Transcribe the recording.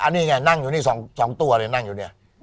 นี่ไงนั่งอยู่นี่๒ตัวเลยนั่งอยู่เนี่ย